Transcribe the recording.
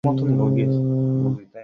অপেক্ষা কেউ না কেউ তো আসার পথে আছে আরিফ!